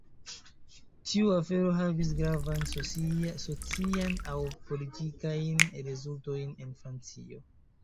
Tiu afero havis gravajn sociajn aŭ politikajn rezultojn en Francio.